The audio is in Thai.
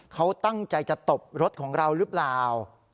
เขาตั้งใจจะตบรถของเราหรือเปล่า